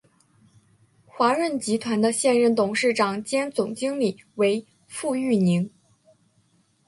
华润集团的现任董事长兼总经理为傅育宁。